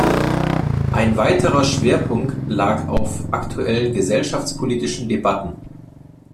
Ein weiterer Schwerpunkt lag auf aktuellen gesellschaftspolitischen Debatten.